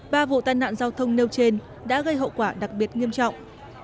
ba vụ tai nạn giao thông nêu trên đã gây hậu quả đặc biệt nghiêm trọng